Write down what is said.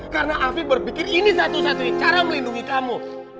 karena afif berpikir ini satu satunya cara melindungi kamu